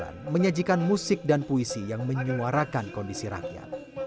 yang menyajikan musik dan puisi yang menyuarakan kondisi rakyat